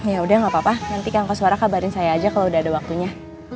ya udah gak apa apa nanti kanker suara kabarin saya aja kalau udah ada waktunya